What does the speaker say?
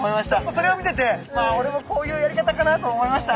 それを見ててまあ俺もこういうやり方かなと思いました。